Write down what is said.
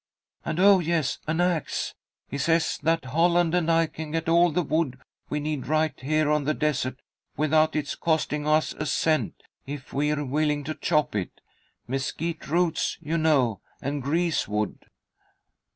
And, oh, yes, an axe. He says that Holland and I can get all the wood we need right here on the desert, without its costing us a cent, if we're willing to chop it; mesquite roots, you know, and greasewood."